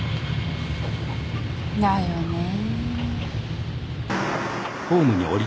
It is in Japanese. だよねぇ。